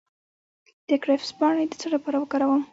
د کرفس پاڼې د څه لپاره وکاروم؟